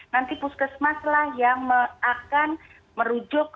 nanti puskesmas lah yang akan merujuk